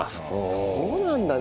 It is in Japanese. そうなんだね。